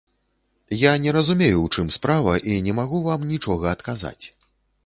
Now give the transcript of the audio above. Я не разумею, у чым справа, і не магу вам нічога адказаць.